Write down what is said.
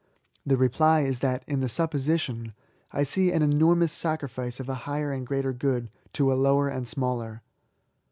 The reply is that, in the supposition, I see an enormous sacrifice of a higher and greater good to a lower and smaller.